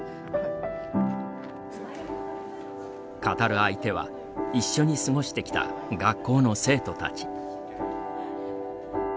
語る相手は一緒に過ごしてきた学校の生徒たち。